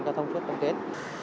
cho thông suất trong tuyến